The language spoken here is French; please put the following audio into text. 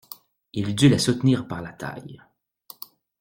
Il dut la soutenir par la taille.